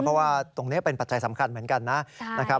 เพราะว่าตรงนี้เป็นปัจจัยสำคัญเหมือนกันนะครับ